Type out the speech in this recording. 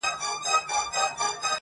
• هغه به چيري اوسي باران اوري، ژلۍ اوري.